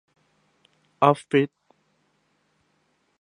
ออฟฟิศ